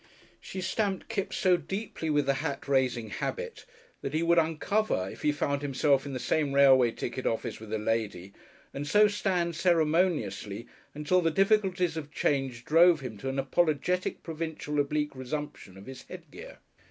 She stamped Kipps so deeply with the hat raising habit that he would uncover if he found himself in the same railway ticket office with a lady had to stand ceremoniously until the difficulties of change drove him to an apologetic provisional oblique resumption of his headgear....